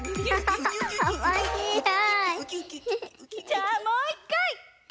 じゃあもう１かい！